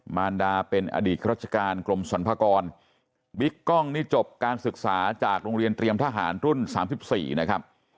มารดาเป็นอดีตราชการกรมสรรพากรบิ๊กกล้องนี่จบการศึกษาจากโรงเรียนเตรียมทหารรุ่น๓๔นะครับ